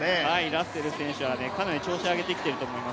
ラッセル選手はかなり調子を上げてきていると思います。